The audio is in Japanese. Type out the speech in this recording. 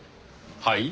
はい？